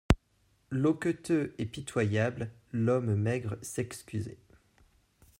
Loqueteux et pitoyable, l'homme maigre s'excusait.